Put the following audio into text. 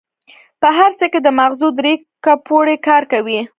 په هر سر کې د ماغزو درې کوپړۍ کار کوي.